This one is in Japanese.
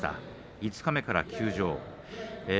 五日目から休場でした。